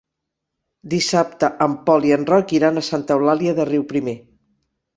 Dissabte en Pol i en Roc iran a Santa Eulàlia de Riuprimer.